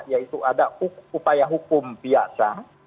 yaitu ada upaya hukum biasa